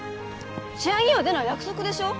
試合には出ない約束でしょ？